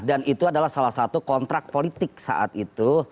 dan itu adalah salah satu kontrak politik saat itu